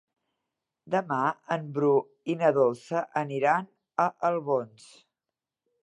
Demà en Bru i na Dolça aniran a Albons.